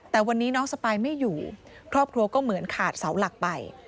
แต่วันนี้น้องสปายไม่อยู่ครอบครัวก็เหมือนขาดเสาหลักไป